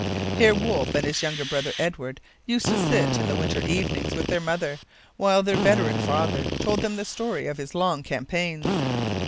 Here Wolfe and his younger brother Edward used to sit in the winter evenings with their mother, while their veteran father told them the story of his long campaigns.